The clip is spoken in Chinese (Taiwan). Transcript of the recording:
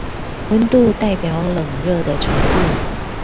溫度代表冷熱的程度